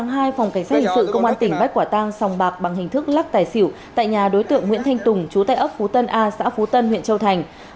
ngày ba hai phòng cảnh sát hình sự công an tp bắt quả tang xong bạc bằng hình thức lắc tài xỉu tại nhà đối tượng nguyễn thanh tùng chú tay ấp phú tân a xã phú tân huyện châu thành